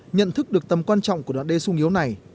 nhận thức được tầm quan trọng của đoạn đê sung yếu này